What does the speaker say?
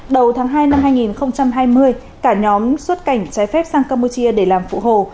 đầu tháng hai năm hai nghìn hai mươi cả nhóm xuất cảnh trái phép sang campuchia để làm phụ hồ